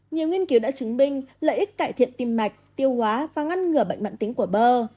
nhiều nghiên cứu đã chứng minh lợi ích cải thiện tim mạch tiêu hóa và ngăn ngừa bệnh mạng tính của bơ